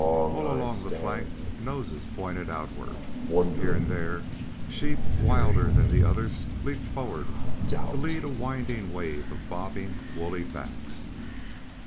All along the flank noses pointed outward; here and there sheep wilder than the others leaped forward to lead a widening wave of bobbing woolly backs.